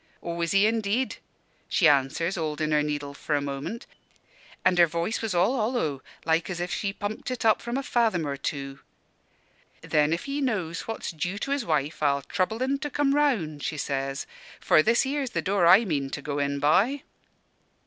"'Aw, is he indeed?' she answers, holdin' her needle for a moment an' her voice was all hollow, like as if she pumped it up from a fathom or two. 'Then, if he knows what's due to his wife, I'll trouble en to come round,' she says; 'for this here's the door I mean to go in by.'"